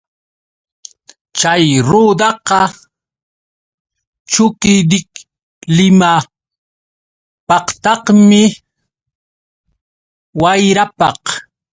Chay rudaqa chukidiklimapaqtaqmi, wayrapaq.